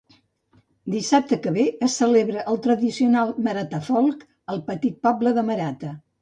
Dissabte que ve es celebra el tradicional Maratafolk al petit poble de Marata